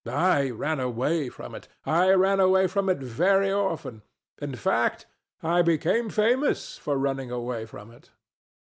I ran away from it. I ran away from it very often: in fact I became famous for running away from it.